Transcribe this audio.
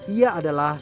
ia adalah seorang